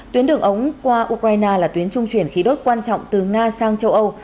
tuyến đường ống qua ukraine là tuyến trung chuyển khí đốt quan trọng từ nga sang châu âu